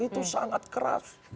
itu sangat keras